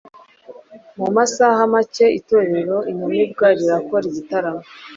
Mu masaha macye Itorero Inyamibwa rirakora igitaramo